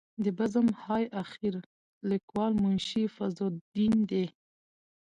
د بزم های اخیر لیکوال منشي فضل الدین دی.